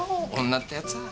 女ってやつは。